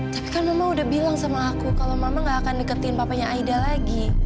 tapi kan mama udah bilang sama aku kalau mama gak akan deketin papanya aida lagi